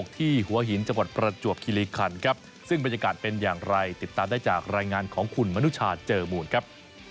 ที่หัวหินจังหวัดประจวบคิริคันครับซึ่งบรรยากาศเป็นอย่างไรติดตามได้จากรายงานของคุณมนุชาเจอมูลครับ